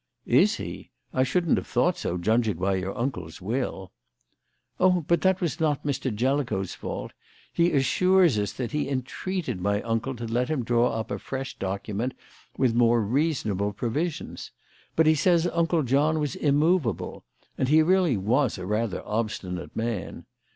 "Is he? I shouldn't have thought so, judging by your uncle's will." "Oh, but that was not Mr. Jellicoe's fault. He assures us that he entreated my uncle to let him draw up a fresh document with more reasonable provisions. But he says Uncle John was immovable; and he really was a rather obstinate man.